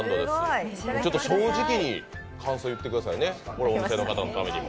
正直に感想言ってくださいね、お店の方のために。